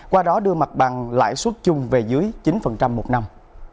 qua đó đưa mặt bằng lãi suất chung về dưới chín một năm